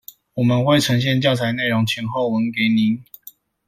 我們會呈現教材內容前後文給您